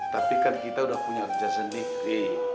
tapi kan kita udah punya kerja sendiri